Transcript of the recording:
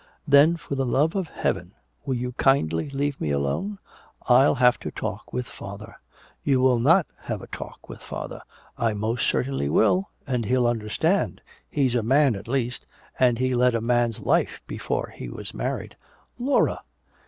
Then for the love of Heaven will you kindly leave me alone! I'll have a talk with father!" "You will not have a talk with father " "I most certainly will and he'll understand! He's a man, at least and he led a man's life before he was married!" "Laura!"